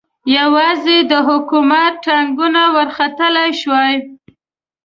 یوازې د حکومت ټانګونه ورختلای شوای.